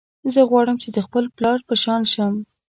زه غواړم چې د خپل پلار په شان شم